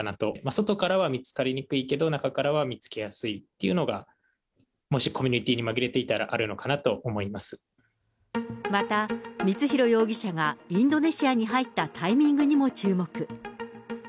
外からは見つかりにくいけど、中からは見つけやすいというのが、もしコミュニティーにまぎれていまた、光弘容疑者がインドネシアに入ったタイミングにも注目。